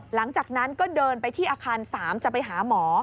หลังจากนั้นก็เดินไปที่อาคาร๓จะไปหาหมอ